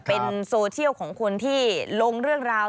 เป็นโซเชียลของคนที่ลงเรื่องราว